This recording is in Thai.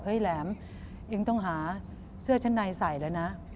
แหลมเองต้องหาเสื้อชั้นในใส่แล้วนะ